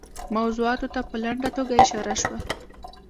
موضوعاتو ته په لنډه توګه اشاره شوه.